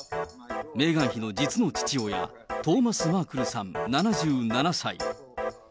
メーガン妃の実の父親、トーマス・マークルさん７７歳。